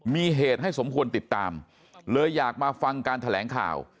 มีเหตุให้สมควรติดตามเลยอยากมาฟังการแถลงข่าว